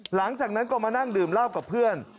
หลังจากนั้นก็มานั่งดื่มเหล้ากับเพื่อน